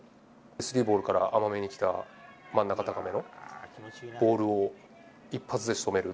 スリーボールから甘めに来た真ん中高めのボールを、一発で仕留める。